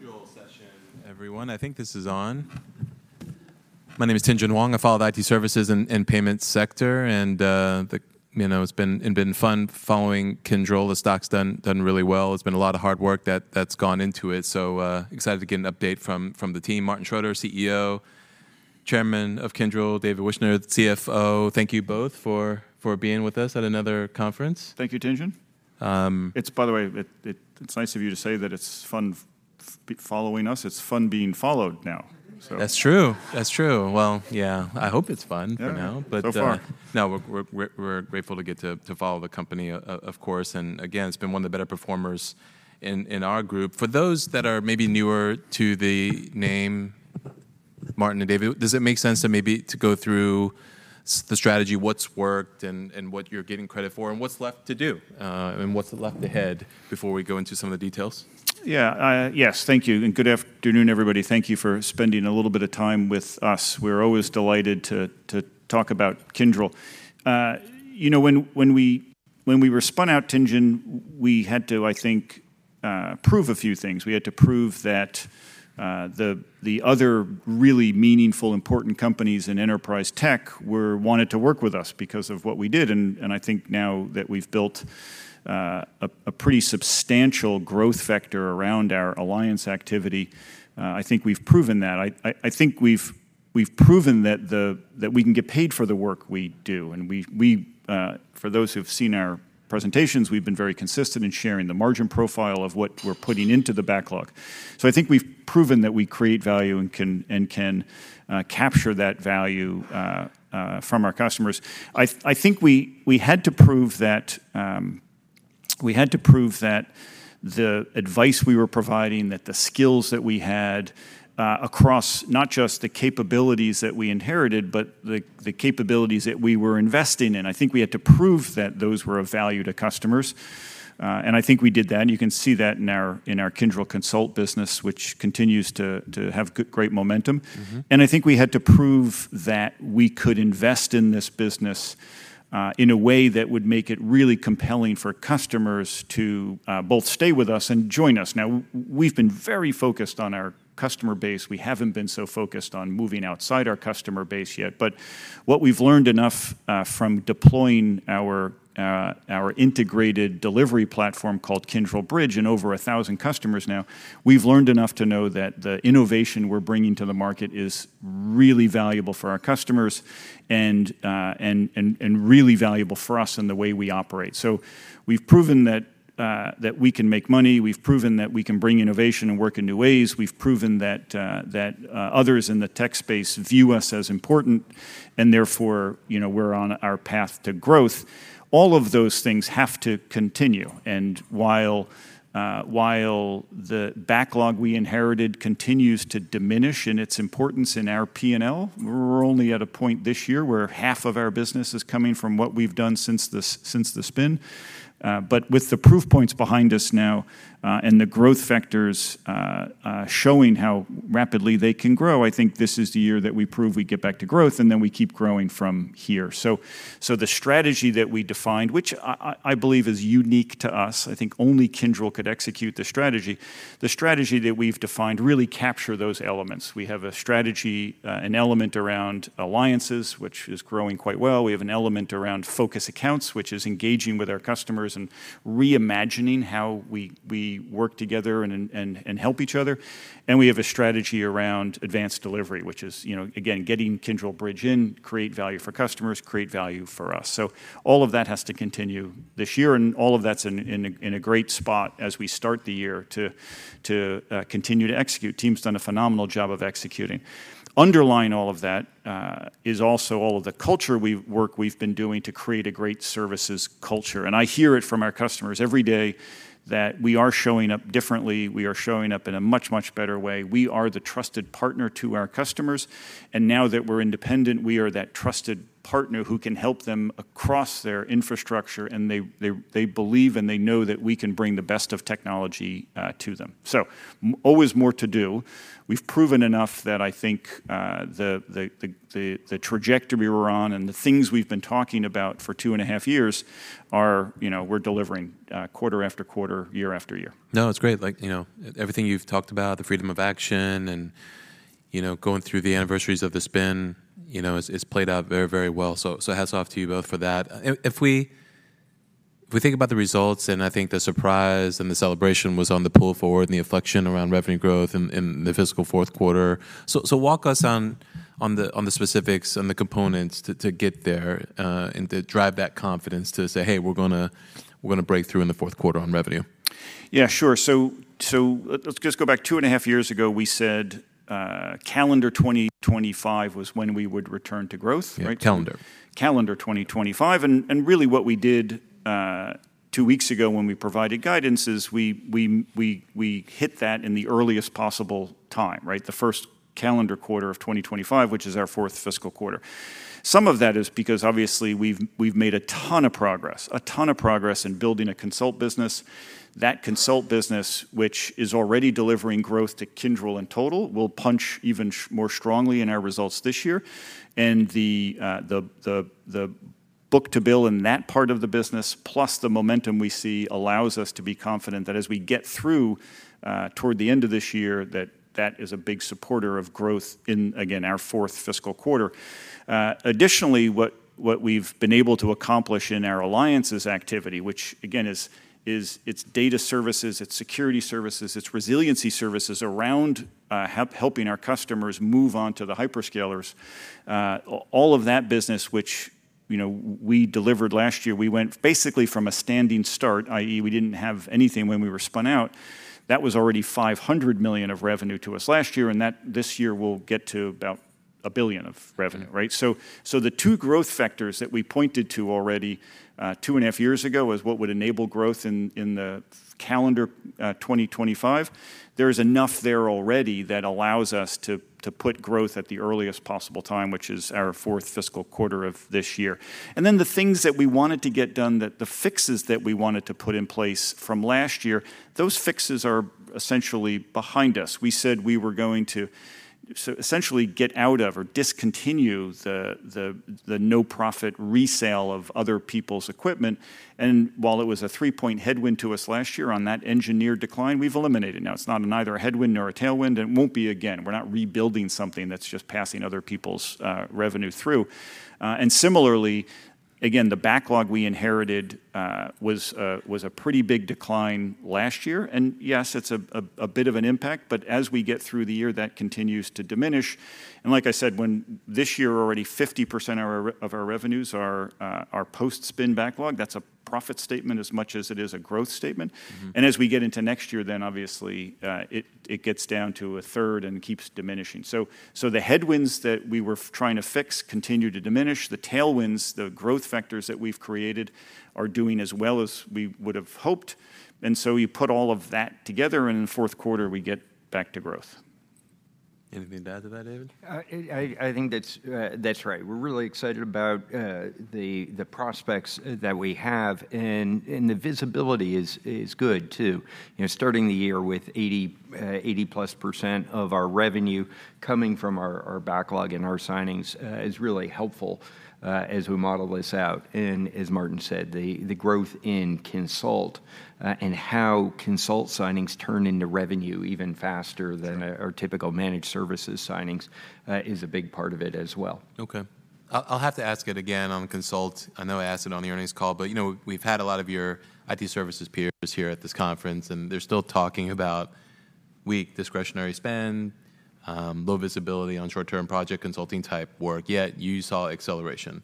Welcome to the Kyndryl session, everyone. I think this is on. My name is Tien-Tsin Huang. I follow the IT services and payments sector, and the, you know, it's been fun following Kyndryl. The stock's done really well. It's been a lot of hard work that's gone into it, so excited to get an update from the team. Martin Schroeter, CEO, Chairman of Kyndryl, David Wyshner, CFO, thank you both for being with us at another conference. Thank you, Tien-Tsin. It's by the way, it's nice of you to say that it's fun following us. It's fun being followed now, so. That's true. That's true. Well, yeah, I hope it's fun for now. But, no, we're grateful to get to follow the company of course, and again, it's been one of the better performers in our group. For those that are maybe newer to the name, Martin and David, does it make sense to maybe go through the strategy, what's worked and what you're getting credit for, and what's left to do, and what's left ahead, before we go into some of the details? Yeah, yes, thank you, and good afternoon, everybody. Thank you for spending a little bit of time with us. We're always delighted to talk about Kyndryl. You know, when we were spun out, Tien-Tsin, we had to, I think, prove a few things. We had to prove that the other really meaningful, important companies in enterprise tech wanted to work with us because of what we did, and I think now that we've built a pretty substantial growth vector around our alliance activity, I think we've proven that. I think we've proven that we can get paid for the work we do, and we, for those who have seen our presentations, we've been very consistent in sharing the margin profile of what we're putting into the backlog. So I think we've proven that we create value and can capture that value from our customers. I think we had to prove that we had to prove that the advice we were providing, that the skills that we had across not just the capabilities that we inherited, but the capabilities that we were investing in. I think we had to prove that those were of value to customers, and I think we did that. You can see that in our Kyndryl Consult business, which continues to have great momentum. I think we had to prove that we could invest in this business in a way that would make it really compelling for customers to both stay with us and join us. Now, we've been very focused on our customer base. We haven't been so focused on moving outside our customer base yet. But what we've learned enough from deploying our integrated delivery platform called Kyndryl Bridge, and over 1,000 customers now, we've learned enough to know that the innovation we're bringing to the market is really valuable for our customers and really valuable for us in the way we operate. So we've proven that we can make money. We've proven that we can bring innovation and work in new ways. We've proven that others in the tech space view us as important, and therefore, you know, we're on our path to growth. All of those things have to continue, and while the backlog we inherited continues to diminish in its importance in our PNL, we're only at a point this year where half of our business is coming from what we've done since the spin. But with the proof points behind us now, and the growth vectors showing how rapidly they can grow, I think this is the year that we prove we get back to growth, and then we keep growing from here. So the strategy that we defined, which I believe is unique to us, I think only Kyndryl could execute the strategy. The strategy that we've defined really capture those elements. We have a strategy, an element around alliances, which is growing quite well. We have an element around focus accounts, which is engaging with our customers and reimagining how we work together and help each other. And we have a strategy around advanced delivery, which is, you know, again, getting Kyndryl Bridge in, create value for customers, create value for us. So all of that has to continue this year, and all of that's in a great spot as we start the year to continue to execute. Team's done a phenomenal job of executing. Underlying all of that is also all of the work we've been doing to create a great services culture. And I hear it from our customers every day that we are showing up differently. We are showing up in a much, much better way. We are the trusted partner to our customers, and now that we're independent, we are that trusted partner who can help them across their infrastructure, and they believe, and they know that we can bring the best of technology to them. So always more to do. We've proven enough that I think the trajectory we're on and the things we've been talking about for 2.5 years are, you know, we're delivering quarter-after-quarter, year-after-year. No, it's great. Like, you know, everything you've talked about, the freedom of action and, you know, going through the anniversaries of the spin, you know, it's played out very, very well. So, hats off to you both for that. If we think about the results, and I think the surprise and the celebration was on the pull forward and the inflection around revenue growth in the fiscal fourth quarter. So, walk us on the specifics and the components to get there, and to drive that confidence to say, "Hey, we're gonna break through in the fourth quarter on revenue. Yeah, sure. So, let's just go back 2.5 years ago, we said, calendar 2025 was when we would return to growth, right? Yeah, calendar. Calendar 2025, and really what we did two weeks ago when we provided guidance is we hit that in the earliest possible time, right? The first calendar quarter of 2025, which is our fourth fiscal quarter. Some of that is because obviously we've made a ton of progress, a ton of progress in building a consult business. That consult business, which is already delivering growth to Kyndryl in total, will punch even more strongly in our results this year. And the book to bill in that part of the business, plus the momentum we see, allows us to be confident that as we get through toward the end of this year, that that is a big supporter of growth in, again, our fourth fiscal quarter. Additionally, what we've been able to accomplish in our alliances activity, which again is it's data services, it's security services, it's resiliency services around helping our customers move on to the hyperscalers. All of that business, which, you know, we delivered last year, we went basically from a standing start, i.e., we didn't have anything when we were spun out. That was already $500 million of revenue to us last year, and that this year will get to about $1 billion of revenue, right? So, the two growth vectors that we pointed to already, two and a half years ago, as what would enable growth in the calendar 2025, there is enough there already that allows us to put growth at the earliest possible time, which is our fourth fiscal quarter of this year. And then the things that we wanted to get done, the fixes that we wanted to put in place from last year, those fixes are essentially behind us. We said we were going to essentially get out of or discontinue the no-profit resale of other people's equipment. And while it was a three-point headwind to us last year on that engineered decline, we've eliminated. Now, it's not neither a headwind nor a tailwind, and it won't be again. We're not rebuilding something that's just passing other people's revenue through. And similarly, again, the backlog we inherited was a pretty big decline last year, and yes, it's a bit of an impact, but as we get through the year, that continues to diminish. And like I said, when this year already 50% of our revenues are post-spin backlog, that's a profit statement as much as it is a growth statement. And as we get into next year, then obviously, it gets down to a third and keeps diminishing. So, the headwinds that we were trying to fix continue to diminish. The tailwinds, the growth vectors that we've created, are doing as well as we would have hoped. And so you put all of that together, and in the fourth quarter, we get back to growth. Anything to add to that, David? I think that's right. We're really excited about the prospects that we have, and the visibility is good, too. You know, starting the year with 80+% of our revenue coming from our backlog and our signings is really helpful as we model this out. And as Martin said, the growth in consult and how consult signings turn into revenue even faster than our typical managed services signings is a big part of it as well. Okay. I'll have to ask it again on consult. I know I asked it on the earnings call, but, you know, we've had a lot of your IT services peers here at this conference, and they're still talking about weak discretionary spend, low visibility on short-term project consulting type work, yet you saw acceleration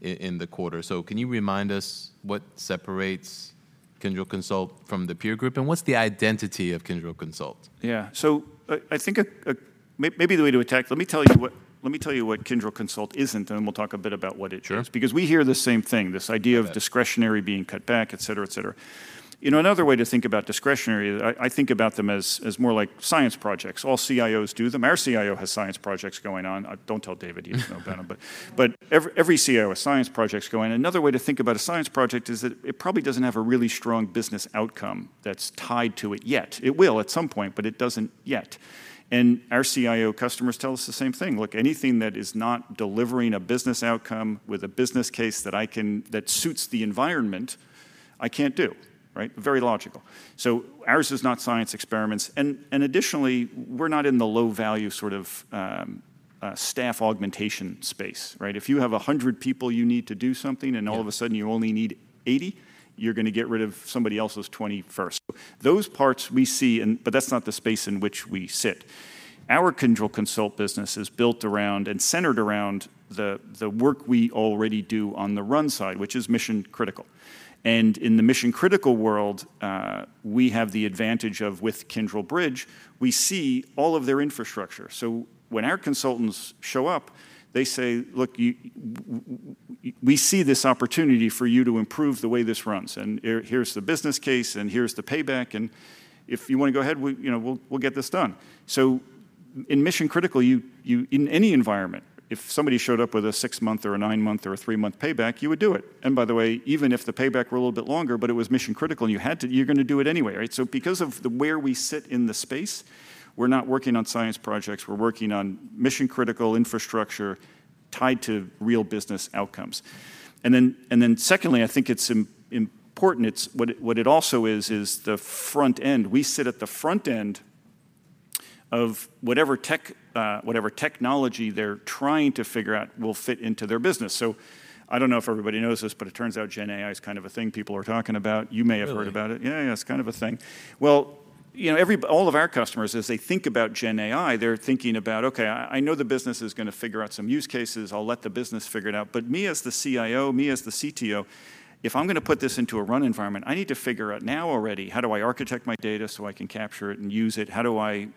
in the quarter. So can you remind us what separates Kyndryl Consult from the peer group, and what's the identity of Kyndryl Consult? Yeah. So I think maybe the way to attack. Let me tell you what Kyndryl Consult isn't, and then we'll talk a bit about what it is. Because we hear the same thing, this idea of discretionary being cut back, et cetera, et cetera. You know, another way to think about discretionary, I think about them as more like science projects. All CIOs do them. Our CIO has science projects going on. Don't tell David he doesn't know about them. But every CIO has science projects going. Another way to think about a science project is that it probably doesn't have a really strong business outcome that's tied to it yet. It will at some point, but it doesn't yet. And our CIO customers tell us the same thing: "Look, anything that is not delivering a business outcome with a business case that I can that suits the environment, I can't do." Right? Very logical. So ours is not science experiments. And additionally, we're not in the low-value sort of staff augmentation space, right? If you have 100 people you need to do something, and all of a sudden you only need 80, you're gonna get rid of somebody else's 20 first. Those parts we see, and but that's not the space in which we sit. Our Kyndryl Consult business is built around and centered around the work we already do on the run side, which is mission-critical. And in the mission-critical world, we have the advantage of, with Kyndryl Bridge, we see all of their infrastructure. So when our consultants show up, they say, "Look, we see this opportunity for you to improve the way this runs, and here's the business case, and here's the payback, and if you want to go ahead, we, you know, we'll, we'll get this done." So in mission critical, you in any environment, if somebody showed up with a 6-month or a 9-month or a 3-month payback, you would do it. And by the way, even if the payback were a little bit longer, but it was mission critical and you had to, you're gonna do it anyway, right? So because of the where we sit in the space, we're not working on science projects, we're working on mission-critical infrastructure tied to real business outcomes. And then, and then secondly, I think it's important. What it also is, is the front end. We sit at the front end of whatever tech, whatever technology they're trying to figure out will fit into their business. So I don't know if everybody knows this, but it turns out GenAI is kind of a thing people are talking about. You may have heard about it. Yeah, yeah, it's kind of a thing. Well, you know, all of our customers, as they think about GenAI, they're thinking about, "Okay, I know the business is gonna figure out some use cases. I'll let the business figure it out. But me as the CIO, me as the CTO, if I'm gonna put this into a run environment, I need to figure out now already, how do I architect my data so I can capture it and use it? How do I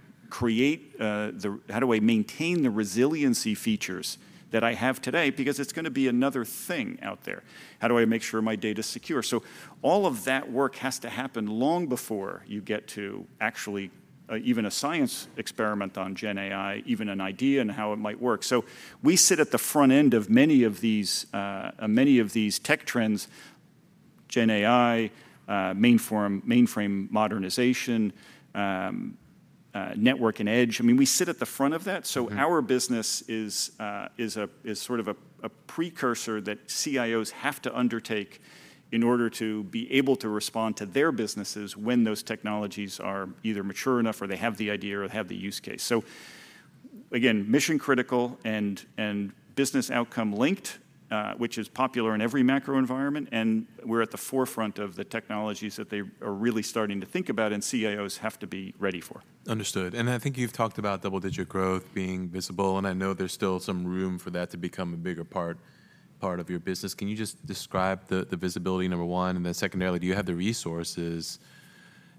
maintain the resiliency features that I have today? Because it's gonna be another thing out there. How do I make sure my data's secure?" So all of that work has to happen long before you get to actually even a science experiment on GenAI, even an idea and how it might work. We sit at the front end of many of these tech trends. Gen AI, mainframe modernization, network and edge. I mean, we sit at the front of that. So our business is sort of a precursor that CIOs have to undertake in order to be able to respond to their businesses when those technologies are either mature enough or they have the idea or have the use case. So again, mission-critical and business outcome linked, which is popular in every macro environment, and we're at the forefront of the technologies that they are really starting to think about, and CIOs have to be ready for. Understood. And I think you've talked about double-digit growth being visible, and I know there's still some room for that to become a bigger part of your business. Can you just describe the visibility, number one? And then secondarily, do you have the resources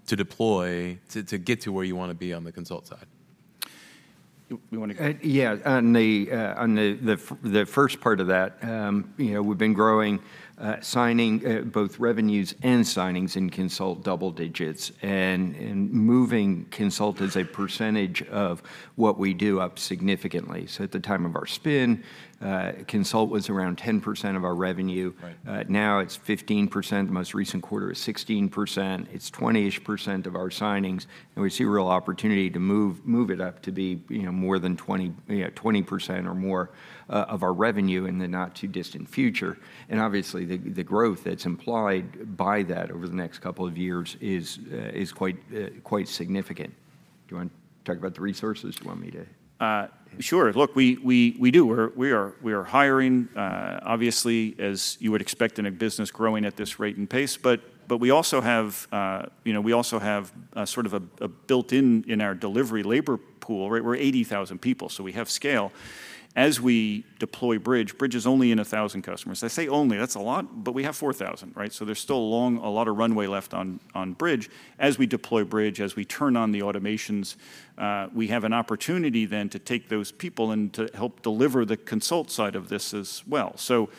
to deploy to get to where you want to be on the consult side? You want to add? Yeah. On the, on the first part of that, you know, we've been growing, signing both revenues and signings in consult double digits, and moving consult as a percentage of what we do up significantly. So at the time of our spin, consult was around 10% of our revenue. Right. Now it's 15%. The most recent quarter is 16%. It's 20-ish% of our signings, and we see a real opportunity to move it up to be, you know, more than 20%, yeah, 20% or more, of our revenue in the not-too-distant future. And obviously, the growth that's implied by that over the next couple of years is quite significant. Do you want to talk about the resources, or do you want me to? Sure. Look, we do. We are hiring, obviously, as you would expect in a business growing at this rate and pace. But we also have, you know, we also have sort of a built-in in our delivery labor pool, right? We're 80,000 people, so we have scale. As we deploy Bridge, Bridge is only in 1,000 customers. I say only, that's a lot, but we have 4,000, right? So there's still a long, a lot of runway left on Bridge. As we deploy Bridge, as we turn on the automations, we have an opportunity then to take those people and to help deliver the consult side of this as well. So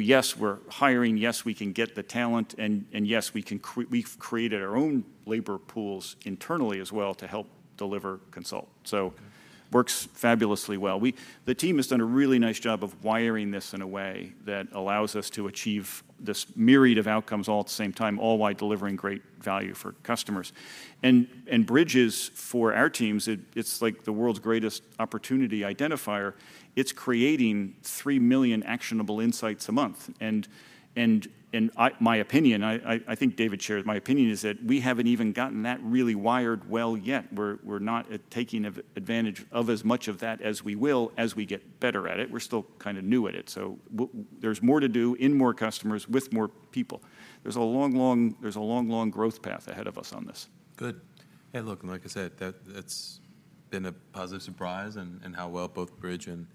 yes, we're hiring, yes, we can get the talent, and yes, we've created our own labor pools internally as well to help deliver consult. So works fabulously well. The team has done a really nice job of wiring this in a way that allows us to achieve this myriad of outcomes all at the same time, all while delivering great value for customers. Bridge is, for our teams, it's like the world's greatest opportunity identifier. It's creating 3 million actionable insights a month. My opinion, I think David shares my opinion, is that we haven't even gotten that really wired well yet. We're not at taking advantage of as much of that as we will as we get better at it. We're still kind of new at it. So there's more to do in more customers with more people. There's a long, long growth path ahead of us on this. Good. Yeah, look, like I said, that's been a positive surprise in how well both Bridge and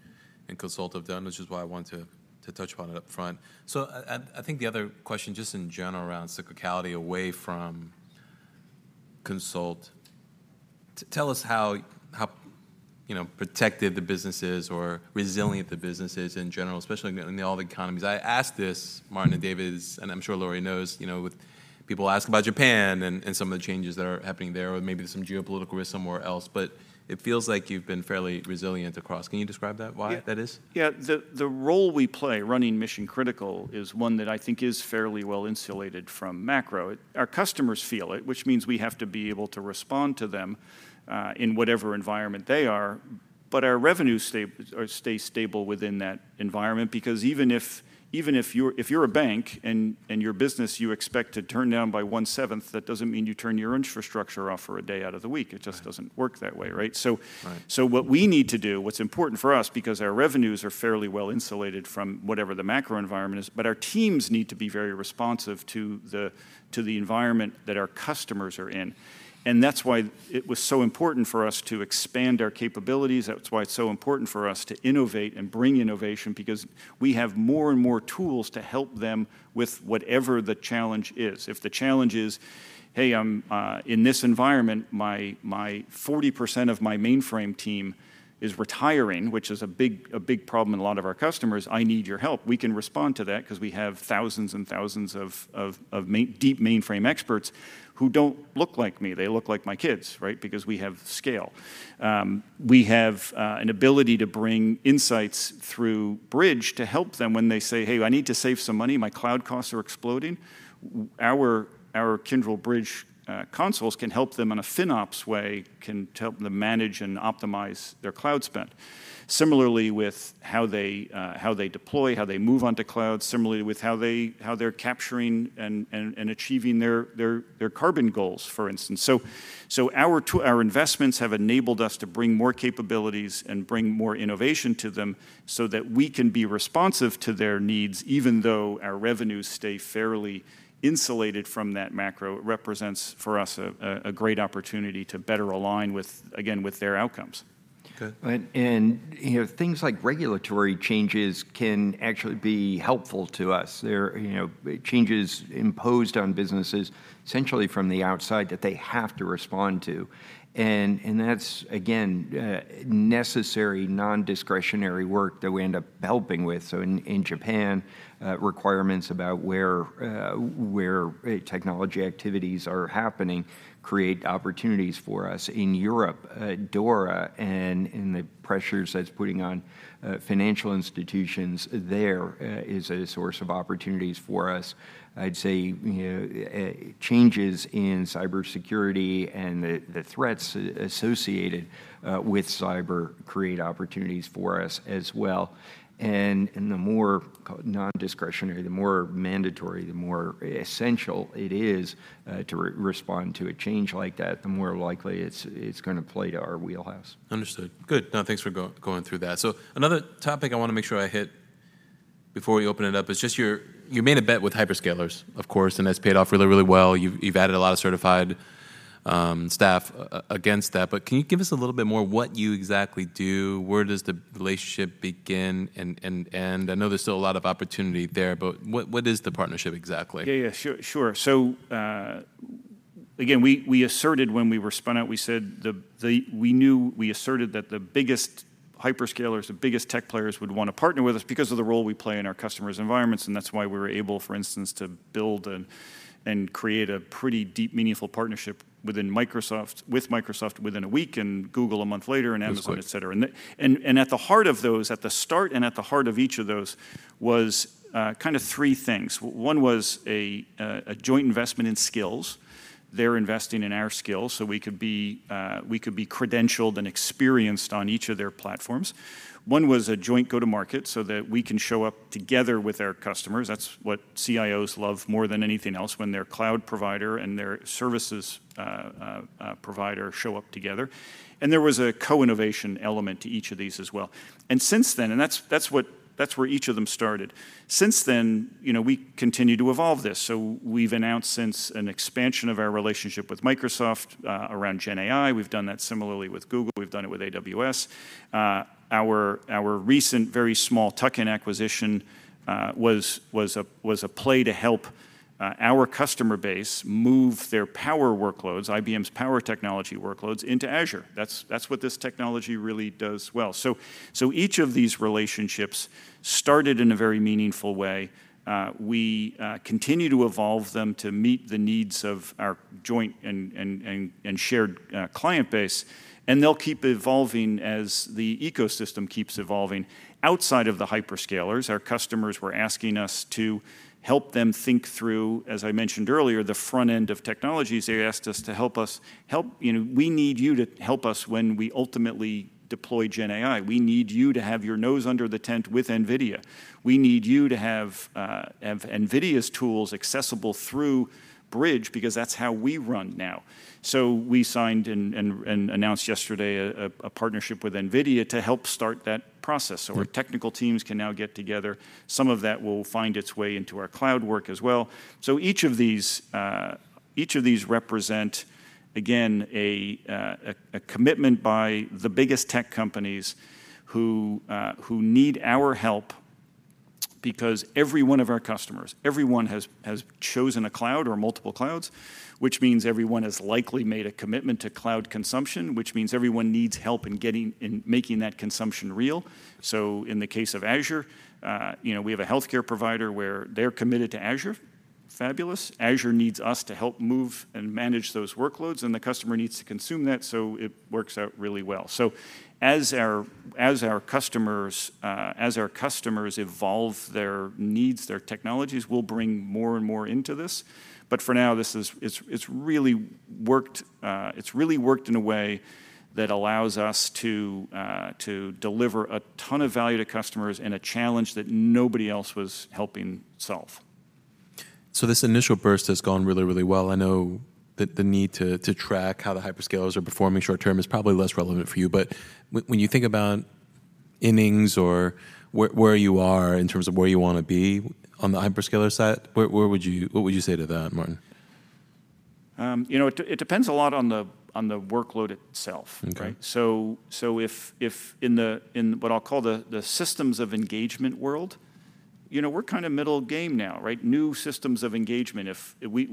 Consult have done, which is why I wanted to touch upon it upfront. So I think the other question, just in general around cyclicality, away from Consult, tell us how, you know, protected the business is or resilient the business is in general, especially in all the economies. I asked this Martin and David, and I'm sure Lori knows, you know, when people ask about Japan and some of the changes that are happening there, or maybe some geopolitical risk somewhere else, but it feels like you've been fairly resilient across. Can you describe that, why that is? Yeah. The role we play running Mission Critical is one that I think is fairly well insulated from macro. Our customers feel it, which means we have to be able to respond to them in whatever environment they are. But our revenues stay stable within that environment because even if you're a bank and your business you expect to turn down by one-seventh, that doesn't mean you turn your infrastructure off for a day out of the week. It just doesn't work that way, right? Right. So what we need to do, what's important for us, because our revenues are fairly well insulated from whatever the macro environment is, but our teams need to be very responsive to the environment that our customers are in. And that's why it was so important for us to expand our capabilities. That's why it's so important for us to innovate and bring innovation, because we have more and more tools to help them with whatever the challenge is. If the challenge is, "Hey, in this environment, my 40% of my mainframe team is retiring," which is a big, a big problem in a lot of our customers, "I need your help," we can respond to that because we have thousands and thousands of deep mainframe experts who don't look like me. They look like my kids, right? Because we have scale. We have an ability to bring insights through Bridge to help them when they say, "Hey, I need to save some money. My cloud costs are exploding." Our Kyndryl Bridge consoles can help them in a FinOps way, can help them manage and optimize their cloud spend. Similarly, with how they deploy, how they move onto cloud, similarly, with how they're capturing and achieving their carbon goals, for instance. So our investments have enabled us to bring more capabilities and bring more innovation to them so that we can be responsive to their needs, even though our revenues stay fairly insulated from that macro. It represents, for us, a great opportunity to better align with, again, with their outcomes. And, you know, things like regulatory changes can actually be helpful to us. They're, you know, changes imposed on businesses essentially from the outside that they have to respond to. And that's, again, necessary, non-discretionary work that we end up helping with. So in Japan, requirements about where technology activities are happening create opportunities for us. In Europe, DORA and the pressures that's putting on financial institutions there is a source of opportunities for us. I'd say, you know, changes in cybersecurity and the threats associated with cyber create opportunities for us as well. And the more non-discretionary, the more mandatory, the more essential it is to respond to a change like that, the more likely it's going to play to our wheelhouse. Understood. Good. Now, thanks for going through that. So another topic I want to make sure I hit before we open it up is just your. You made a bet with hyperscalers, of course, and that's paid off really, really well. You've added a lot of certified staff against that. But can you give us a little bit more what you exactly do? Where does the relationship begin and I know there's still a lot of opportunity there, but what is the partnership exactly? Yeah, yeah, sure, sure. So, again, we asserted when we were spun out, we knew, we asserted that the biggest hyperscalers, the biggest tech players, would want to partner with us because of the role we play in our customers' environments, and that's why we were able, for instance, to build and create a pretty deep, meaningful partnership with Microsoft within a week, and Google a month later, and Amazon, et cetera. And at the heart of those, at the start and at the heart of each of those was kind of three things. One was a joint investment in skills. They're investing in our skills, so we could be, we could be credentialed and experienced on each of their platforms. One was a joint go-to-market so that we can show up together with our customers. That's what CIOs love more than anything else, when their cloud provider and their services provider show up together. And there was a co-innovation element to each of these as well. And since then, and that's, that's what, that's where each of them started. Since then, you know, we continue to evolve this. So we've announced since an expansion of our relationship with Microsoft around GenAI. We've done that similarly with Google. We've done it with AWS. Our recent, very small tuck-in acquisition was a play to help our customer base move their Power workloads, IBM's Power technology workloads, into Azure. That's what this technology really does well. So each of these relationships started in a very meaningful way. We continue to evolve them to meet the needs of our joint and shared client base, and they'll keep evolving as the ecosystem keeps evolving. Outside of the hyperscalers, our customers were asking us to help them think through, as I mentioned earlier, the front end of technologies. They asked us, "You know, we need you to help us when we ultimately deploy GenAI. We need you to have your nose under the tent with NVIDIA. We need you to have NVIDIA's tools accessible through Bridge, because that's how we run now." So we signed and announced yesterday a partnership with NVIDIA to help start that process. So our technical teams can now get together. Some of that will find its way into our cloud work as well. So each of these represent, again, a commitment by the biggest tech companies who need our help, because every one of our customers, everyone has chosen a cloud or multiple clouds, which means everyone has likely made a commitment to cloud consumption, which means everyone needs help in getting, in making that consumption real. So in the case of Azure, you know, we have a healthcare provider where they're committed to Azure. Fabulous. Azure needs us to help move and manage those workloads, and the customer needs to consume that, so it works out really well. So as our customers evolve their needs, their technologies, we'll bring more and more into this. But for now, this is. It's really worked in a way that allows us to deliver a ton of value to customers and a challenge that nobody else was helping solve. So this initial burst has gone really, really well. I know that the need to track how the hyperscalers are performing short term is probably less relevant for you. But when you think about innings or where you are in terms of where you want to be on the hyperscaler side, where would you, what would you say to that, Martin? You know, it depends a lot on the, on the workload itself. Okay. So if in what I'll call the systems of engagement world, you know, we're kind of middle game now, right? New systems of engagement. If we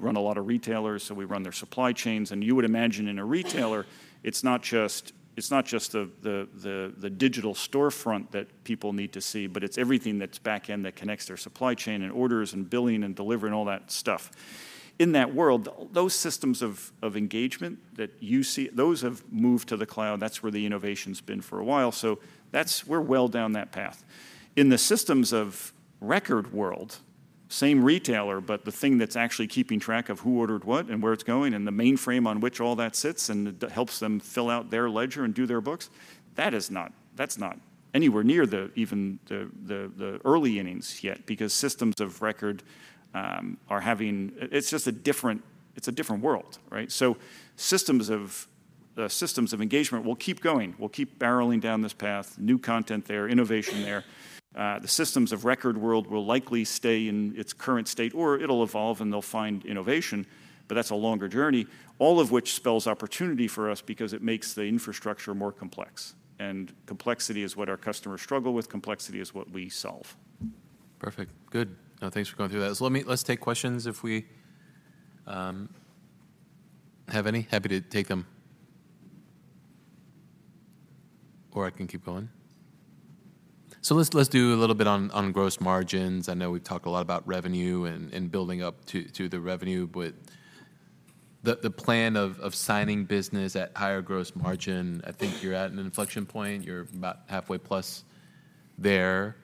run a lot of retailers, so we run their supply chains, and you would imagine in a retailer, it's not just the digital storefront that people need to see, but it's everything that's back end that connects their supply chain and orders and billing and delivery and all that stuff. In that world, those systems of engagement that you see, those have moved to the cloud. That's where the innovation's been for a while, so we're well down that path. In the systems of record world, same retailer, but the thing that's actually keeping track of who ordered what and where it's going, and the mainframe on which all that sits and helps them fill out their ledger and do their books, that is not, that's not anywhere near even the early innings yet, because systems of record are having, it's just a different, it's a different world, right? So systems of engagement will keep going, will keep barreling down this path, new content there, innovation there. The systems of record world will likely stay in its current state, or it'll evolve and they'll find innovation, but that's a longer journey. All of which spells opportunity for us because it makes the infrastructure more complex, and complexity is what our customers struggle with. Complexity is what we solve. Perfect. Good. No, thanks for going through that. So let me, let's take questions if we have any. Happy to take them. Or I can keep going. So let's do a little bit on gross margins. I know we talk a lot about revenue and building up to the revenue, but the plan of signing business at higher gross margin, I think you're at an inflection point. You're about halfway plus there.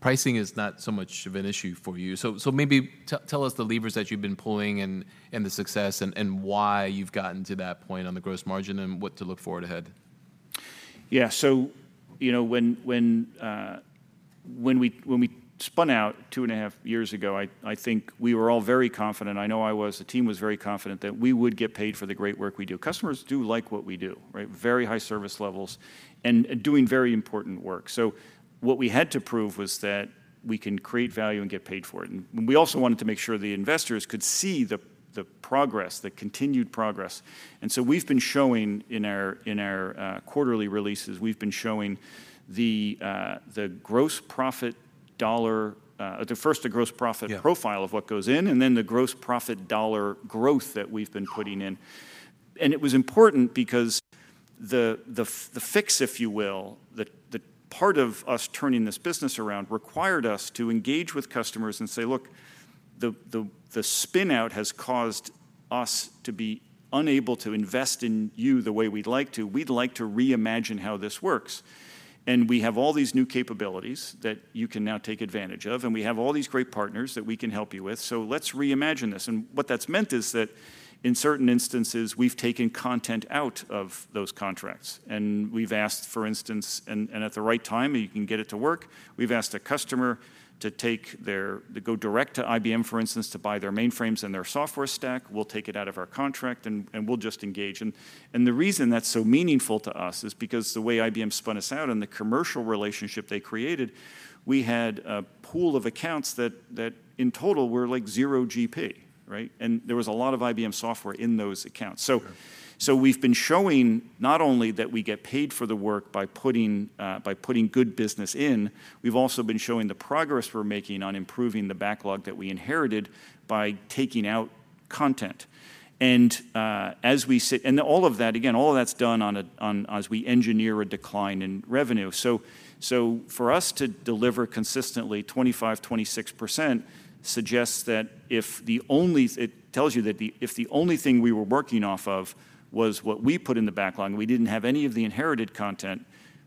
Pricing is not so much of an issue for you. So maybe tell us the levers that you've been pulling, and the success, and why you've gotten to that point on the gross margin, and what to look forward ahead. Yeah, so, you know, when we spun out 2.5 years ago, I think we were all very confident, I know I was, the team was very confident that we would get paid for the great work we do. Customers do like what we do, right? Very high service levels and doing very important work. So what we had to prove was that we can create value and get paid for it, and we also wanted to make sure the investors could see the progress, the continued progress. And so we've been showing in our quarterly releases, we've been showing the gross profit dollar. First, the gross profit profile of what goes in, and then the gross profit dollar growth that we've been putting in. And it was important because the fix, if you will, the part of us turning this business around required us to engage with customers and say: "Look, the spin-out has caused us to be unable to invest in you the way we'd like to. We'd like to reimagine how this works. And we have all these new capabilities that you can now take advantage of, and we have all these great partners that we can help you with, so let's reimagine this." And what that's meant is that in certain instances, we've taken content out of those contracts, and we've asked, for instance, at the right time, you can get it to work, we've asked a customer to go direct to IBM, for instance, to buy their mainframes and their software stack. We'll take it out of our contract, and we'll just engage. And the reason that's so meaningful to us is because the way IBM spun us out and the commercial relationship they created, we had a pool of accounts that in total were, like, zero GP, right? And there was a lot of IBM software in those accounts. Sure. So, we've been showing not only that we get paid for the work by putting good business in, we've also been showing the progress we're making on improving the backlog that we inherited by taking out content. And all of that, again, all of that's done on a, as we engineer a decline in revenue. So, for us to deliver consistently 25%, 26% suggests that if the only, it tells you that if the only thing we were working off of was what we put in the backlog, and we didn't have any of the inherited content,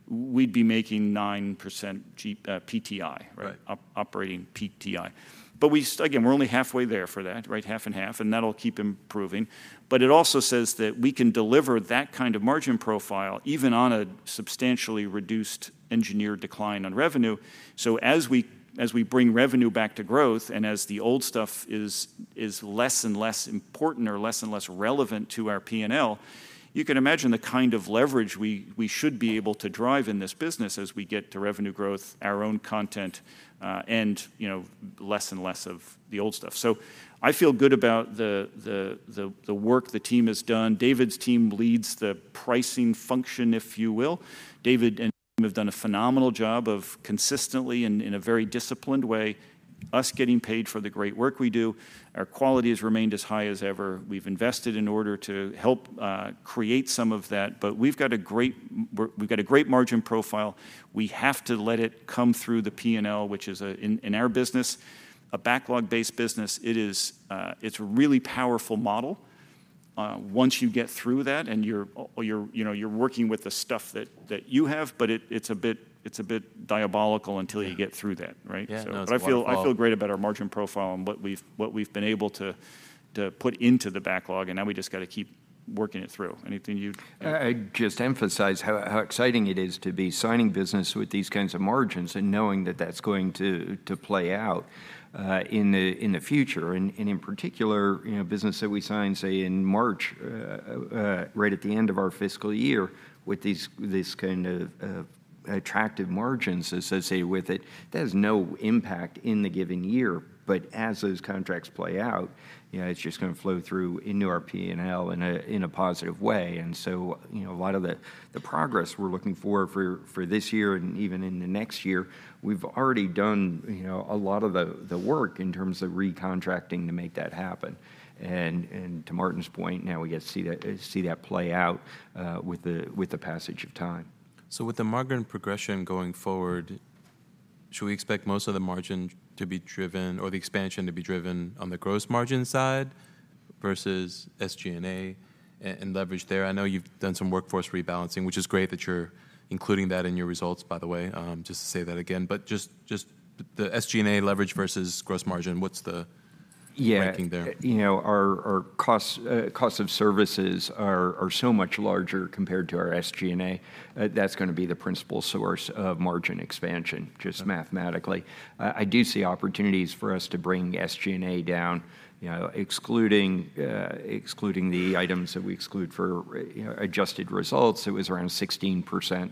we'd be making 9% PTI, right? Operating PTI. But again, we're only halfway there for that, right? Half and half, and that'll keep improving. But it also says that we can deliver that kind of margin profile even on a substantially reduced engineered decline on revenue. So as we bring revenue back to growth, and as the old stuff is less and less important or less and less relevant to our P&L, you can imagine the kind of leverage we should be able to drive in this business as we get to revenue growth, our own content, and, you know, less and less of the old stuff. So I feel good about the work the team has done. David's team leads the pricing function, if you will. David and team have done a phenomenal job of consistently and in a very disciplined way, us getting paid for the great work we do. Our quality has remained as high as ever. We've invested in order to help create some of that, but we've got a great margin profile. We have to let it come through the P&L, which is, in our business, a backlog-based business. It is a really powerful model once you get through that and you're, you know, you're working with the stuff that you have, but it is a bit diabolical until you get through that, right? Yeah, no, it's wonderful. But I feel, I feel great about our margin profile and what we've, what we've been able to, to put into the backlog, and now we've just got to keep working it through. Anything you'd? I'd just emphasize how exciting it is to be signing business with these kinds of margins and knowing that that's going to play out in the future. And in particular, you know, business that we sign, say, in March, right at the end of our fiscal year, with these kind of attractive margins associated with it, that has no impact in the given year. But as those contracts play out, you know, it's just going to flow through into our P&L in a positive way. And so, you know, a lot of the progress we're looking for this year and even in the next year, we've already done, you know, a lot of the work in terms of recontracting to make that happen. To Martin's point, now we get to see that play out with the passage of time. So with the margin progression going forward, should we expect most of the margin to be driven or the expansion to be driven on the gross margin side versus SG&A and leverage there? I know you've done some workforce rebalancing, which is great that you're including that in your results, by the way, just to say that again. But just the SG&A leverage versus gross margin, what's the ranking there? You know, our costs of services are so much larger compared to our SG&A. That's going to be the principal source of margin expansion, just mathematically. I do see opportunities for us to bring SG&A down, you know, excluding the items that we exclude for, you know, adjusted results. It was around 16%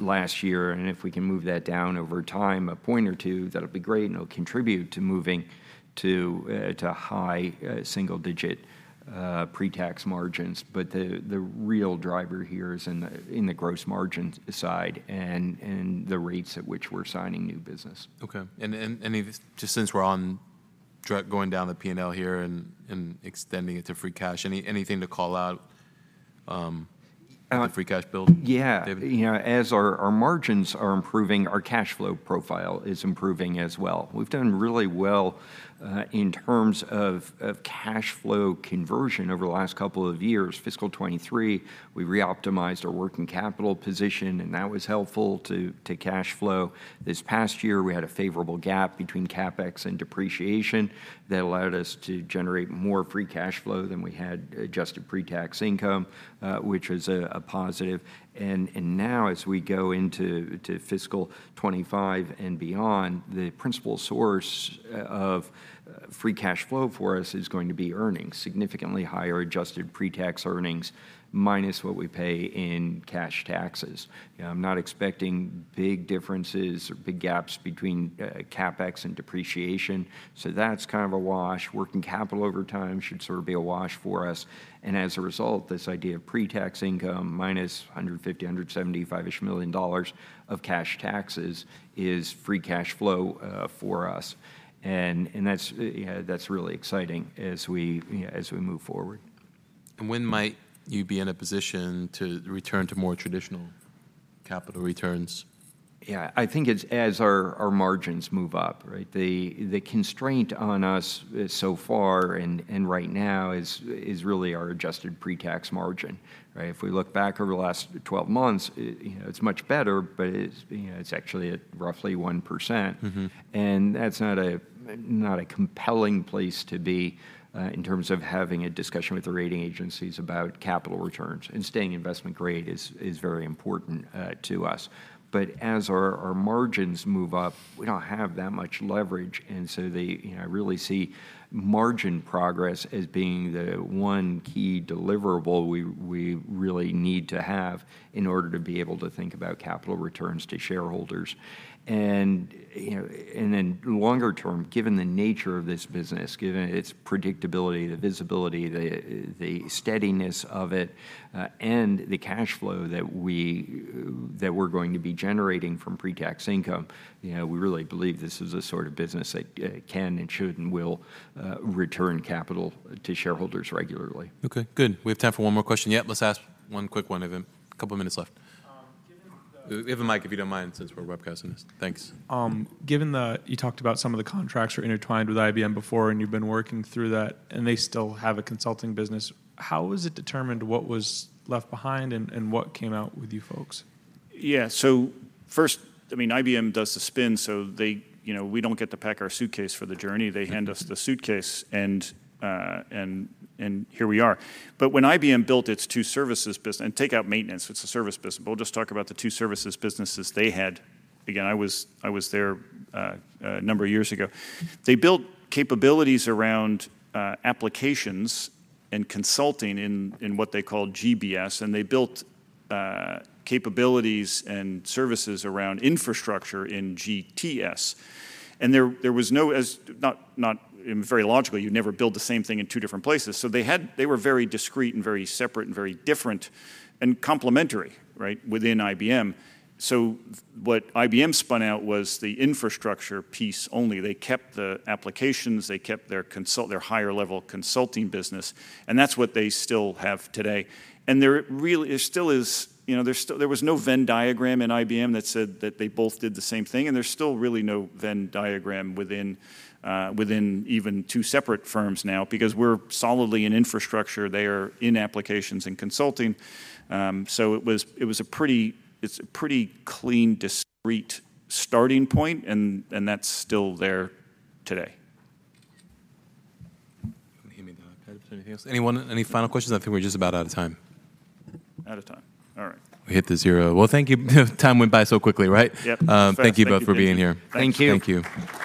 last year, and if we can move that down over time, a point or two, that'll be great, and it'll contribute to moving to high single-digit pre-tax margins. But the real driver here is in the gross margins side and the rates at which we're signing new business. Okay. And just since we're going down the P&L here and extending it to free cash, anything to call out the free cash build, David? Yeah. You know, as our margins are improving, our cash flow profile is improving as well. We've done really well in terms of cash flow conversion over the last couple of years. Fiscal 2023, we reoptimized our working capital position, and that was helpful to cash flow. This past year, we had a favorable gap between CapEx and depreciation that allowed us to generate more free cash flow than we had adjusted pre-tax income, which is a positive. And now, as we go into fiscal 2025 and beyond, the principal source of free cash flow for us is going to be earnings, significantly higher adjusted pre-tax earnings minus what we pay in cash taxes. You know, I'm not expecting big differences or big gaps between CapEx and depreciation, so that's kind of a wash. Working capital over time should sort of be a wash for us, and as a result, this idea of pre-tax income -$150, $175 million-ish of cash taxes is free cash flow for us. And that's yeah, that's really exciting as we yeah, as we move forward. When might you be in a position to return to more traditional capital returns? Yeah, I think it's, as our margins move up, right? The constraint on us so far, and right now, is really our adjusted pre-tax margin, right? If we look back over the last 12 months, you know, it's much better, but it's, you know, it's actually at roughly 1%. And that's not a compelling place to be, in terms of having a discussion with the rating agencies about capital returns, and staying investment grade is very important to us. But as our margins move up, we don't have that much leverage, and so. You know, I really see margin progress as being the one key deliverable we really need to have in order to be able to think about capital returns to shareholders. And, you know, and then longer term, given the nature of this business, given its predictability, the visibility, the steadiness of it, and the cash flow that we're going to be generating from pre-tax income, you know, we really believe this is the sort of business that can and should and will return capital to shareholders regularly. Okay, good. We have time for one more question. Yeah, let's ask one quick one of them. Couple minutes left. We have a mic, if you don't mind, since we're webcasting this. Thanks. Given that you talked about some of the contracts were intertwined with IBM before, and you've been working through that, and they still have a consulting business, how was it determined what was left behind and what came out with you folks? Yeah, so first, I mean, IBM does the spin, so you know, we don't get to pack our suitcase for the journey. They hand us the suitcase, and here we are. But when IBM built its two services business, and take out maintenance, it's a service business. But we'll just talk about the two services businesses they had. Again, I was there a number of years ago. They built capabilities around applications and consulting in what they call GBS, and they built capabilities and services around infrastructure in GTS. And there was no. Not very logical. You'd never build the same thing in two different places. So they had. They were very discreet and very separate and very different and complementary, right, within IBM. So what IBM spun out was the infrastructure piece only. They kept the applications, they kept their higher-level consulting business, and that's what they still have today. There really, there still is, you know, there was no Venn diagram in IBM that said that they both did the same thing, and there's still really no Venn diagram within even two separate firms now because we're solidly in infrastructure. They are in applications and consulting. So it was a pretty clean, discrete starting point, and that's still there today. Give me the mic. Anything else? Anyone, any final questions? I think we're just about out of time. Out of time. All right. We hit the zero. Well, thank you. Time went by so quickly, right? Yep. Thank you both for being here. Thank you. Thank you.